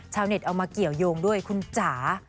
เน็ตเอามาเกี่ยวยงด้วยคุณจ๋า